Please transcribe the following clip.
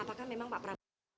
apakah memang pak prabowo